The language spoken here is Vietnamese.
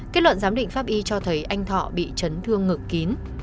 kết luận giám định pháp y cho thấy anh thọ bị chấn thương ngực kín